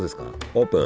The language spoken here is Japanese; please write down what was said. オープン。